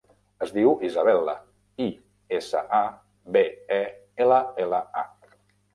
Es diu Isabella: i, essa, a, be, e, ela, ela, a.